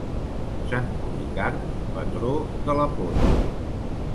Sant Policarp, patró de la poda.